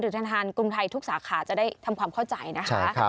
ธนาคารกรุงไทยทุกสาขาจะได้ทำความเข้าใจนะคะ